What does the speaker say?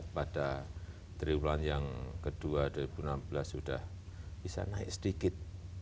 pada triwulan yang kedua dua ribu enam belas sudah bisa naik sedikit